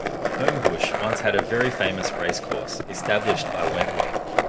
Homebush once had a very famous racecourse, established by Wentworth.